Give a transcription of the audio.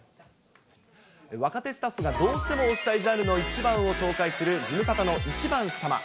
若手スタッフがどうしても推したいジャンルの１番を紹介するズムサタの１番さま。